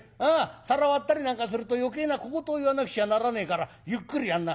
皿割ったりなんかすると余計な小言を言わなくちゃならねえからゆっくりやんな。